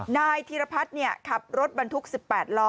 นายธีรพัฒน์ขับรถบรรทุก๑๘ล้อ